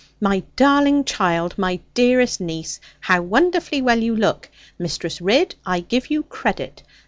'My darling child, my dearest niece; how wonderfully well you look! Mistress Ridd, I give you credit.